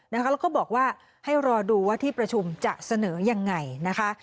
แล้วก็บอกว่าให้รอดูว่าที่ประชุมจะเสนอยังไงนะคะ